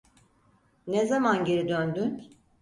Ne zaman geri döndün?